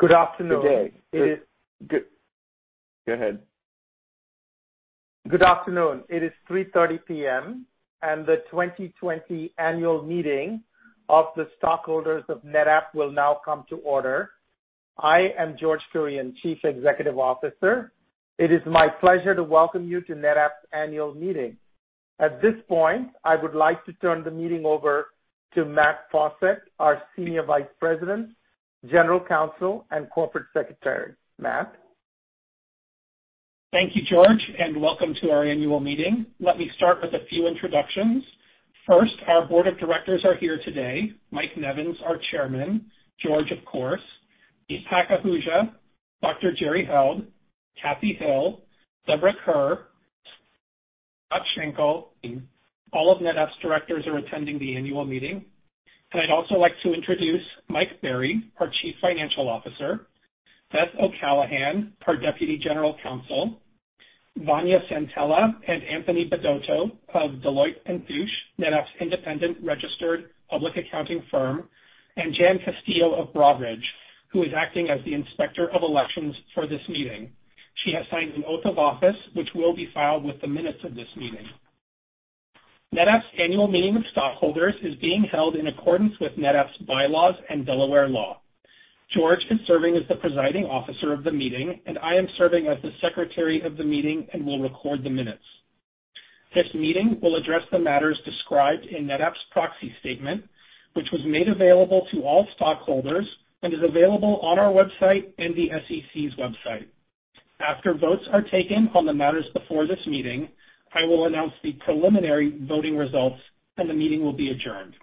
Good afternoon. Good day. It is. Good. Go ahead. Good afternoon. It is 3:30 P.M., and the 2020 annual meeting of the stockholders of NetApp will now come to order. I am George Kurian, Chief Executive Officer. It is my pleasure to welcome you to NetApp's annual meeting. At this point, I would like to turn the meeting over to Matt Fawcett, our Senior Vice President, General Counsel, and Corporate Secretary. Matt. Thank you, George, and welcome to our annual meeting. Let me start with a few introductions. First, our Board of Directors are here today: Mike Nevens, our Chairman; George, of course; Isaac Ahuja, Dr. Jeri Held, Kathy Hill, Deborah Kerr, Scott Scange. All of NetApp's directors are attending the annual meeting. I'd also like to introduce Mike Berry, our Chief Financial Officer; Beth O'Callahan, our Deputy General Counsel; Vanya Santella and Anthony Bedoto of Deloitte & Touche, NetApp's independent registered public accounting firm; and Jan Castillo of Broadridge, who is acting as the Inspector of Elections for this meeting. She has signed an oath of office, which will be filed with the minutes of this meeting. NetApp's annual meeting of stockholders is being held in accordance with NetApp's bylaws and Delaware law. George is serving as the Presiding Officer of the meeting, and I am serving as the Secretary of the meeting and will record the minutes. This meeting will address the matters described in NetApp's proxy statement, which was made available to all stockholders and is available on our website and the SEC's website. After votes are taken on the matters before this meeting, I will announce the preliminary voting results, and the meeting will be adjourned.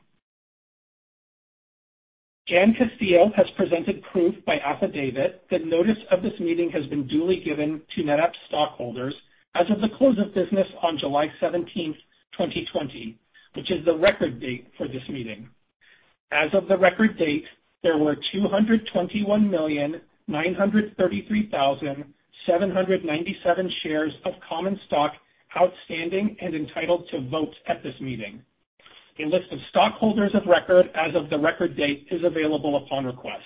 Jan Castillo has presented proof by affidavit that notice of this meeting has been duly given to NetApp's stockholders as of the close of business on July 17, 2020, which is the record date for this meeting. As of the record date, there were 221,933,797 shares of common stock outstanding and entitled to vote at this meeting. A list of stockholders of record as of the record date is available upon request.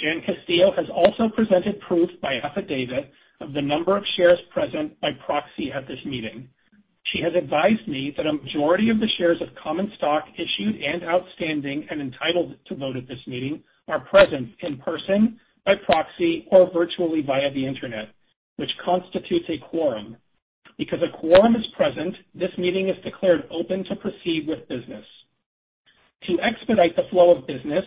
Jan Castillo has also presented proof by affidavit of the number of shares present by proxy at this meeting. She has advised me that a majority of the shares of common stock issued and outstanding and entitled to vote at this meeting are present in person, by proxy, or virtually via the Internet, which constitutes a quorum. Because a quorum is present, this meeting is declared open to proceed with business. To expedite the flow of business,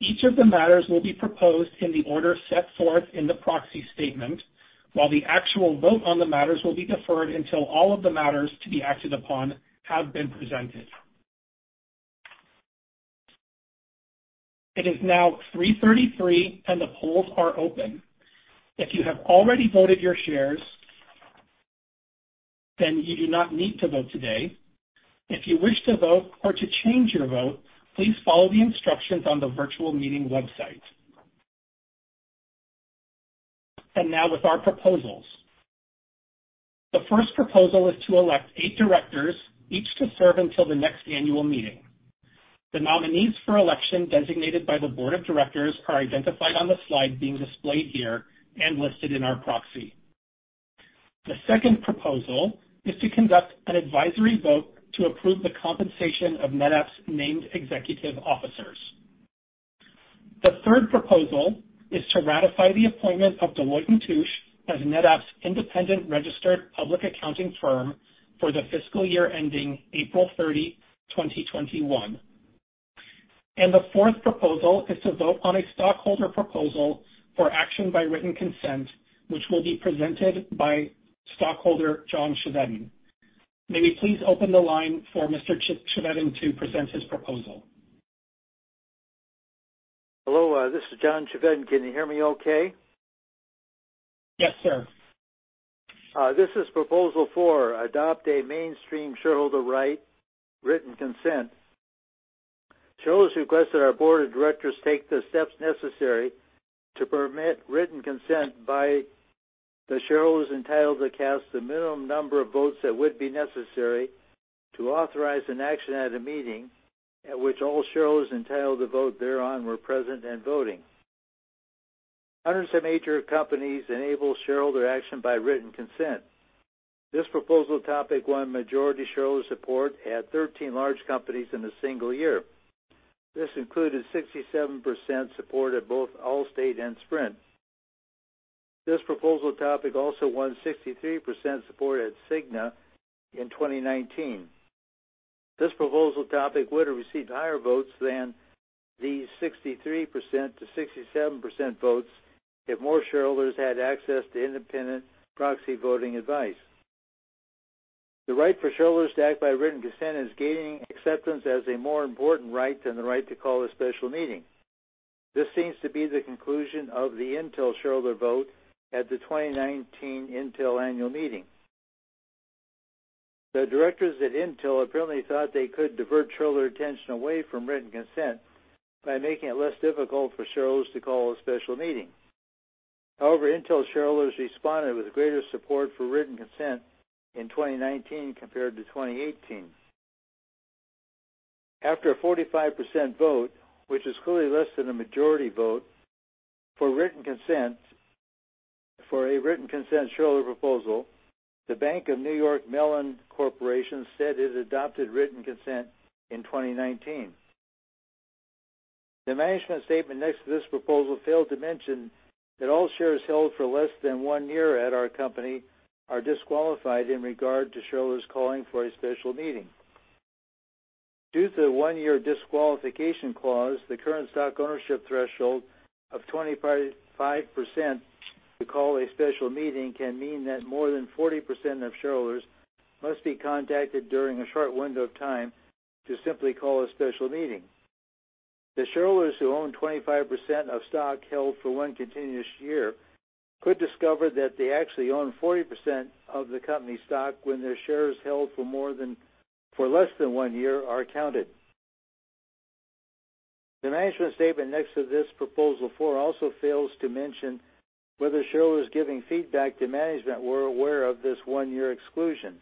each of the matters will be proposed in the order set forth in the proxy statement, while the actual vote on the matters will be deferred until all of the matters to be acted upon have been presented. It is now 3:33 P.M., and the polls are open. If you have already voted your shares, then you do not need to vote today. If you wish to vote or to change your vote, please follow the instructions on the virtual meeting website. Now with our proposals. The first proposal is to elect eight directors, each to serve until the next annual meeting. The nominees for election designated by the Board of Directors are identified on the slide being displayed here and listed in our proxy. The second proposal is to conduct an advisory vote to approve the compensation of NetApp's named executive officers. The third proposal is to ratify the appointment of Deloitte & Touche as NetApp's independent registered public accounting firm for the fiscal year ending April 30, 2021. The fourth proposal is to vote on a stockholder proposal for action by written consent, which will be presented by stockholder John Chevedden. May we please open the line for Mr. Chevedden to present his proposal? Hello. This is John Chevedden. Can you hear me okay? Yes, sir. This is proposal four, adopt a mainstream shareholder right, written consent. Shareholders request that our Board of Directors take the steps necessary to permit written consent by the shareholders entitled to cast the minimum number of votes that would be necessary to authorize an action at a meeting at which all shareholders entitled to vote thereon were present and voting. Hundreds of major companies enabled shareholder action by written consent. This proposal topic won majority shareholder support at 13 large companies in a single year. This included 67% support at both Allstate and Sprint. This proposal topic also won 63% support at Cigna in 2019. This proposal topic would have received higher votes than the 63%-67% votes if more shareholders had access to independent proxy voting advice. The right for shareholders to act by written consent is gaining acceptance as a more important right than the right to call a special meeting. This seems to be the conclusion of the Intel shareholder vote at the 2019 Intel annual meeting. The directors at Intel apparently thought they could divert shareholder attention away from written consent by making it less difficult for shareholders to call a special meeting. However, Intel shareholders responded with greater support for written consent in 2019 compared to 2018. After a 45% vote, which is clearly less than a majority vote, for a written consent shareholder proposal, the Bank of New York Mellon Corporation said it adopted written consent in 2019. The management statement next to this proposal failed to mention that all shares held for less than one year at our company are disqualified in regard to shareholders calling for a special meeting. Due to the one-year disqualification clause, the current stock ownership threshold of 25% to call a special meeting can mean that more than 40% of shareholders must be contacted during a short window of time to simply call a special meeting. The shareholders who own 25% of stock held for one continuous year could discover that they actually own 40% of the company's stock when their shares held for less than one year are counted. The management statement next to this proposal four also fails to mention whether shareholders giving feedback to management were aware of this one-year exclusion.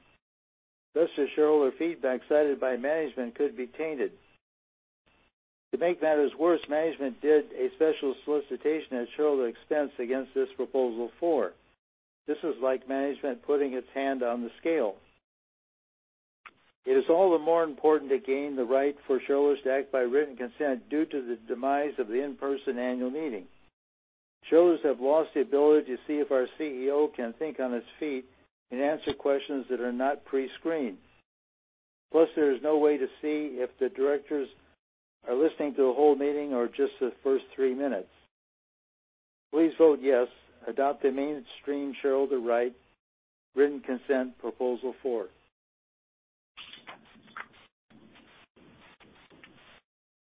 Thus, the shareholder feedback cited by management could be tainted. To make matters worse, management did a special solicitation at shareholder expense against this proposal four. This is like management putting its hand on the scale. It is all the more important to gain the right for shareholders to act by written consent due to the demise of the in-person annual meeting. Shareholders have lost the ability to see if our CEO can think on his feet and answer questions that are not pre-screened. Plus, there is no way to see if the directors are listening to the whole meeting or just the first three minutes. Please vote yes, adopt a mainstream shareholder right, written consent proposal four.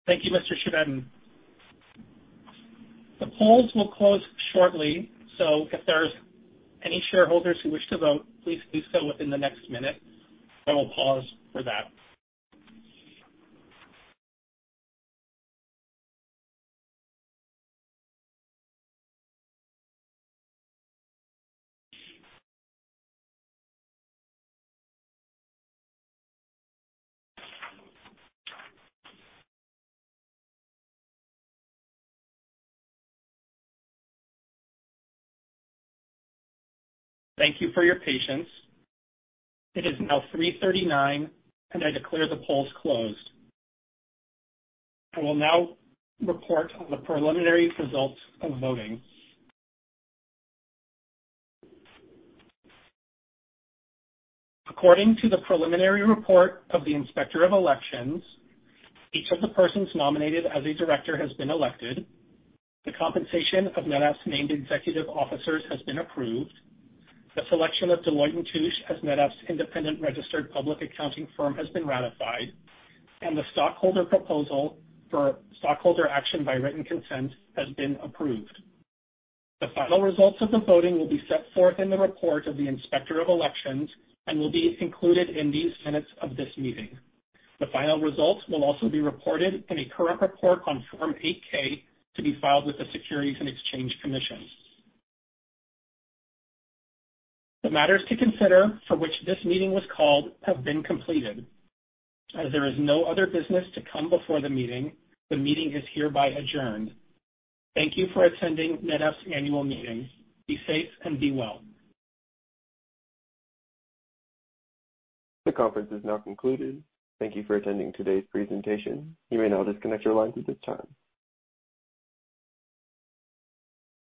Thank you, Mr. Chevedden. The polls will close shortly, so if there are any shareholders who wish to vote, please do so within the next minute. I will pause for that. Thank you for your patience. It is now 3:39 P.M., and I declare the polls closed. I will now report on the preliminary results of voting. According to the preliminary report of the Inspector of Elections, each of the persons nominated as a director has been elected, the compensation of NetApp's named executive officers has been approved, the selection of Deloitte & Touche as NetApp's independent registered public accounting firm has been ratified, and the stockholder proposal for stockholder action by written consent has been approved. The final results of the voting will be set forth in the report of the Inspector of Elections and will be included in these minutes of this meeting. The final results will also be reported in a current report on Form 8-K to be filed with the Securities and Exchange Commission. The matters to consider for which this meeting was called have been completed. As there is no other business to come before the meeting, the meeting is hereby adjourned. Thank you for attending NetApp's annual meeting. Be safe and be well. The conference is now concluded. Thank you for attending today's presentation. You may now disconnect your lines at this time.